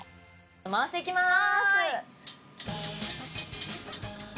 回していきます。